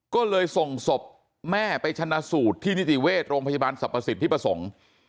ก็เลยส่งศพแม่ไปชนะสูตรที่นิติเวชโรงพยาบาลสรรพสิทธิประสงค์